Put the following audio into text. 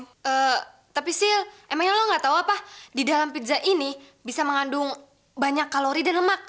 tapi sih emangnya lo gak tahu apa di dalam pizza ini bisa mengandung banyak kalori dan lemak